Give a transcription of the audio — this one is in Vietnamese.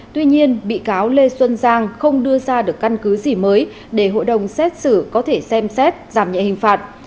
tuy nhiên bị cáo lê xuân giang không đưa ra được căn cứ gì mới để hội đồng xét xử có thể xem xét giảm nhẹ hình phạt